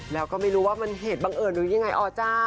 แล้วก็ไม่รู้ว่ามันเหตุบังเอิญหรือยังไงอเจ้า